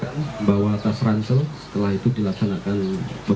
pengagalan dimulai pada saat tim gabungan tni second fleet week response pangkalan tni al lunuk